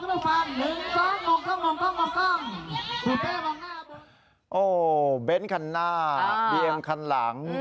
คุณแป้วมองหน้าบนโอ้โฮเบนท์คันหน้าบีเอ็มท์คันหลัง